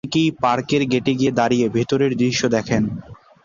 অনেকেই পার্কের গেটে গিয়ে দাঁড়িয়ে ভেতরের দৃশ্য দেখেন।